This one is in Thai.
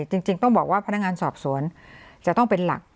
จริงต้องบอกว่าพนักงานสอบสวนจะต้องเป็นหลัก